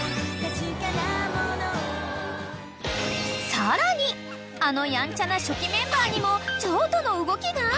［さらにあのヤンチャな初期メンバーにも譲渡の動きが！？］